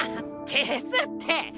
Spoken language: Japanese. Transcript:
消すって。